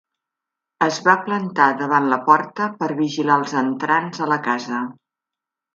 Es va plantar davant la porta per vigilar els entrants a la casa.